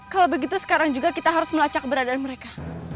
kalau begitu sekarang juga kita harus melacak keberadaan mereka